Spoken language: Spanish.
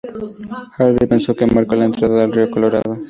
Hardy pensó que marcó la entrada al río Colorado.